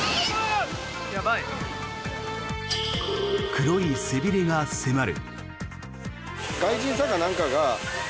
黒い背びれが迫る。